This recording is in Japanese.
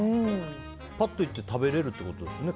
ぱっと行って食べれるということですよね。